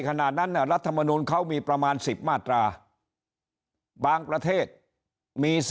ขณะนั้นรัฐมนุนเขามีประมาณ๑๐มาตราบางประเทศมี